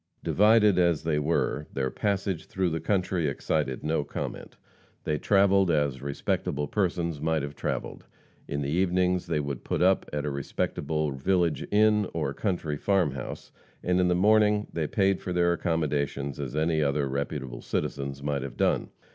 Divided as they were, their passage through the country excited no comment. They travelled as respectable persons might have travelled. In the evenings they would put up at a respectable village inn, or country farm house, and in the mornings they paid for their accommodations as any other reputable citizens might have done.